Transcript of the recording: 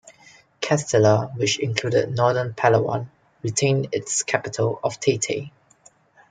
Castilla, which included northern Palawan, retained its capital of Taytay.